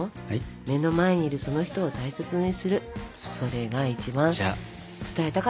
目の前にいるその人を大切にするそれが一番伝えたかったことなんだよ。